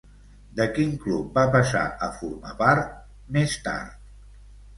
De quin club va passar a formar part, més tard?